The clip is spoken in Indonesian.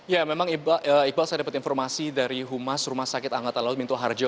ya memang iqbal saya dapat informasi dari humas rumah sakit angkatan laut minto harjo